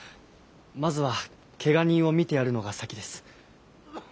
まずはけが人を診てやるのが先です。